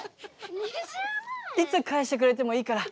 いつ返してくれてもいいから。